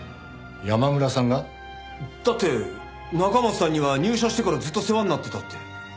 山村さんが？だって中松さんには入社してからずっと世話になってたって。